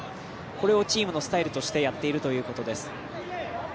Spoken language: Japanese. これをチームのスタイルとしてやっているということです。